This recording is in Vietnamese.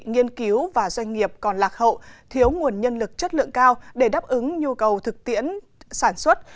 nghiên cứu và doanh nghiệp còn lạc hậu thiếu nguồn nhân lực chất lượng cao để đáp ứng nhu cầu thực tiễn sản xuất